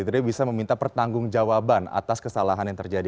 jadi bisa meminta pertanggung jawaban atas kesalahan yang terjadi